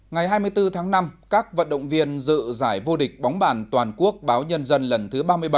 ngày hai mươi bốn tháng năm các vận động viên dự giải vô địch bóng bàn toàn quốc báo nhân dân lần thứ ba mươi bảy